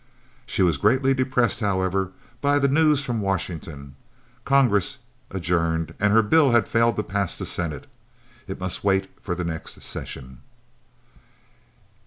She was greatly depressed, however, by the news from Washington. Congress adjourned and her bill had failed to pass the Senate. It must wait for the next session.